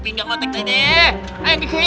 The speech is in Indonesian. pinjang koteknya ini